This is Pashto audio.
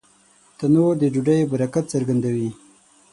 تنور د ډوډۍ برکت څرګندوي